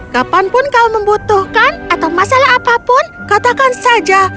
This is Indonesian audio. kapanpun kau membutuhkan atau masalah apapun katakan saja